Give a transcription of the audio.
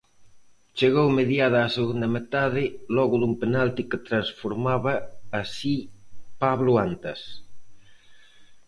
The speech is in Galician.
Chegou mediada a segunda metade logo dun penalti que transformaba así Pablo Antas.